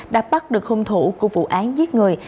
đã bắt được hung thủ của vụ án giết người